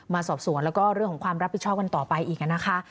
มาสอบสวนแล้วก็เรื่องของความรับผิดชอบกันต่อไปอีกนะคะ